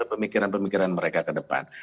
pemikiran pemikiran mereka ke depan